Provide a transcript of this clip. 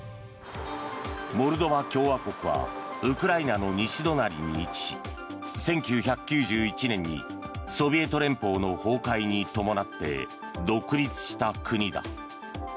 モルドバ共和国はウクライナの西隣に位置し１９９１年に、ソビエト連邦の崩壊に伴って独立した国だ。